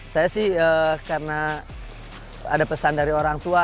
saya sih karena ada pesan dari orang tua